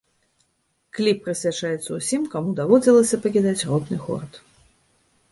Кліп прысвячаецца ўсім, каму даводзілася пакідаць родны горад.